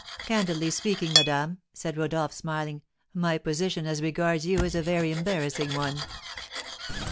"Candidly speaking, madame," said Rodolph, smiling, "my position as regards you is a very embarrassing one."